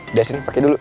udah sini pake dulu